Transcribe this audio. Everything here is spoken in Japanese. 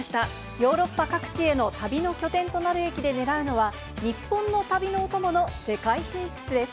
ヨーロッパ各地への旅の拠点となる駅でねらうのは、日本の旅のお供の世界進出です。